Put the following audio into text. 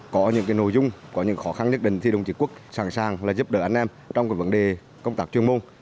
có những nội dung có những khó khăn nhất định thì đồng chí quốc sẵn sàng là giúp đỡ anh em trong vấn đề công tác chuyên môn